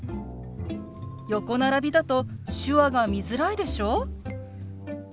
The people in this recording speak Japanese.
横並びだと手話が見づらいでしょ？